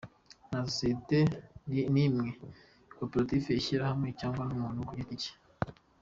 Nta sosiyete n’imwe, koperative, ishyirahamwe cyangwa umuntu ku gite cye.